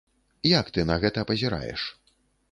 Як ты на гэта пазіраеш?